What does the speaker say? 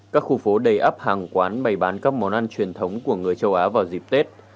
các khu phố đầy ấp hàng quán bày bán các món ăn truyền thống của người châu á vào dịp tết